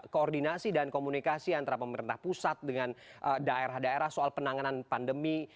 koordinasi dan komunikasi antara pemerintah pusat dengan daerah daerah soal penanganan pandemi